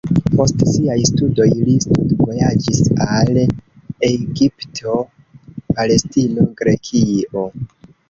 Post siaj studoj li studvojaĝis al Egipto, Palestino, Grekio.